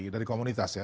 dari komunitas ya